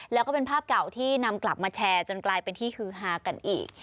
แล้วก็เป็นภาพเก่าที่นำกลับมาแชร์จนกลายเป็นที่ฮือฮากันอีก